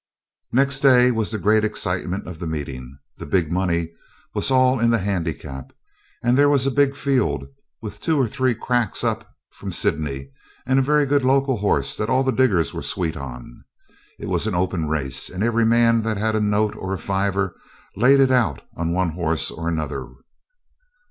Next day was the great excitement of the meeting. The 'big money' was all in the handicap, and there was a big field, with two or three cracks up from Sydney, and a very good local horse that all the diggers were sweet on. It was an open race, and every man that had a note or a fiver laid it out on one horse or another.